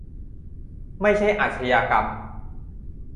ไม่ใช่อาชญากรรม